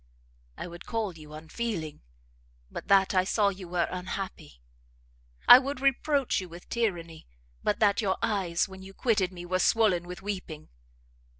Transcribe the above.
I would call you unfeeling, but that I saw you were unhappy; I would reproach you with tyranny, but that your eyes when you quitted me were swollen with weeping!